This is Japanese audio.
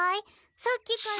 さっきから何を。